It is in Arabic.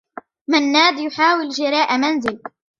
منّاد يحاول شراء منزل.